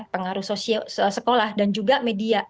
pengaruh sekolah dan juga media